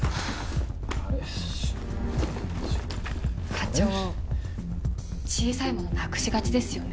課長小さい物なくしがちですよね。